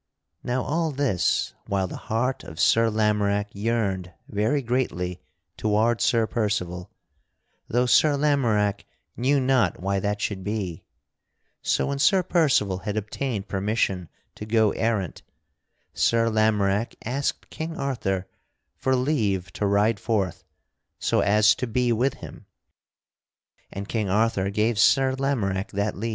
Now all this while the heart of Sir Lamorack yearned very greatly toward Sir Percival, though Sir Lamorack knew not why that should be; so when Sir Percival had obtained permission to go errant, Sir Lamorack asked King Arthur for leave to ride forth so as to be with him; and King Arthur gave Sir Lamorack that leave.